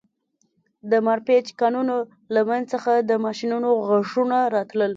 د مارپیچ کانونو له منځ څخه د ماشینونو غږونه راتلل